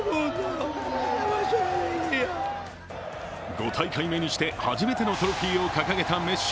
５大会目にして初めてのトロフィーを掲げたメッシ。